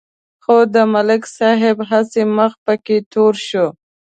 خو د ملک صاحب هسې مخ پکې تور شو.